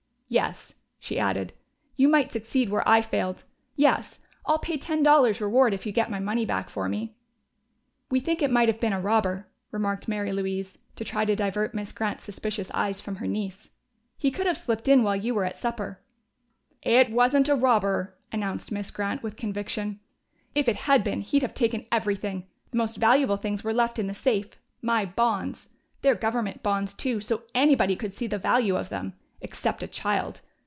"Yes," she added, "you might succeed where I failed.... Yes, I'll pay ten dollars' reward if you get my money back for me." "We think it might have been a robber," remarked Mary Louise, to try to divert Miss Grant's suspicious eyes from her niece. "He could have slipped in while you were at supper." "It wasn't a robber," announced Miss Grant, with conviction. "If it had been, he'd have taken everything. The most valuable things were left in the safe. My bonds. They're government bonds, too, so anybody could see the value of them except a child!